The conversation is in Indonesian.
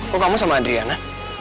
kok kamu sama adriana